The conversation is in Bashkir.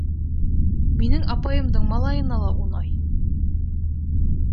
— Минең апайымдың малайына ла ун ай.